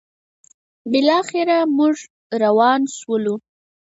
بالاخره موږ روان شولو: